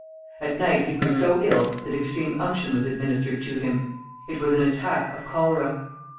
At night he grew so ill that extreme unction was administered to him. It was an attack of cholera.